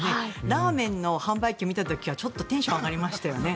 ラーメンの販売機を見た時はちょっとテンション上がりましたよね。